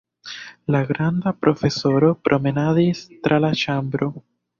La granda profesoro promenadis tra la ĉambro.